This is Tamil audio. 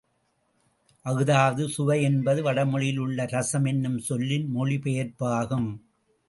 அஃதாவது சுவை என்பது, வடமொழியில் உள்ள ரசம் என்னும் சொல்லின் மொழி பெயர்ப்பாகும்.